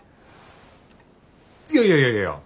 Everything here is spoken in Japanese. いやいやいやいや。